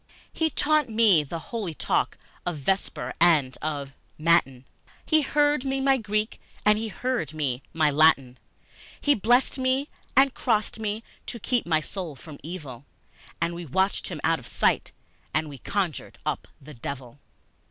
He taught me the holy talk of Vesper and of Matin, He heard me my Greek and he heard me my Latin, He blessed me and crossed me to keep my soul from evil, And we watched him out of sight, and we conjured up the devil!